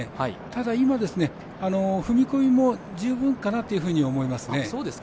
ただ今、踏み込みも十分かなと思いますね。